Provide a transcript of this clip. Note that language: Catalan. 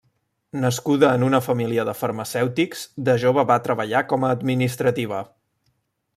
Nascuda en una família de farmacèutics, de jove va treballar com a administrativa.